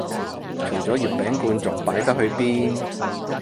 除咗月餅罐仲擺得去邊